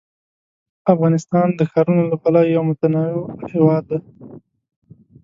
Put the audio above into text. افغانستان د ښارونو له پلوه یو متنوع هېواد دی.